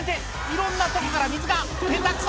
いろんなとこから水が！」